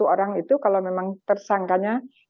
dua puluh satu orang itu kalau memang tersangkanya